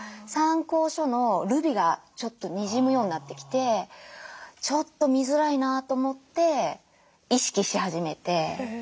参考書のルビがちょっとにじむようになってきてちょっと見づらいなと思って意識し始めて。